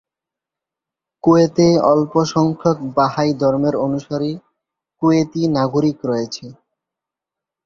কুয়েতে অল্প সংখ্যক বাহাই ধর্মের অনুসারী কুয়েতি নাগরিক রয়েছে।